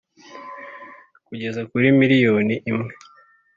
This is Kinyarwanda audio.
kugeza kuri miliyoni imwe